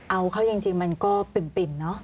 เอาเข้าจริงมันก็ปิ่มเนอะ